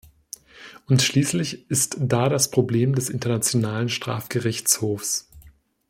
Und schließlich ist da das Problem des Internationalen Strafgerichtshofs.